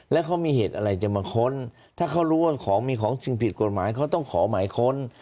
แล้วเขามีเหตุอะไรจะมาค้นถ้าเขารู้ว่าของมีของจริงผิดกฎหมายเขาต้องขอหมายค้น